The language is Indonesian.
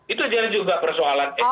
itu adalah juga persoalan etik